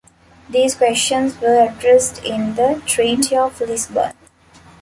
These questions were addressed in the Treaty of Lisbon.